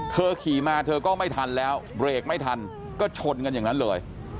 ขี่มาเธอก็ไม่ทันแล้วเบรกไม่ทันก็ชนกันอย่างนั้นเลย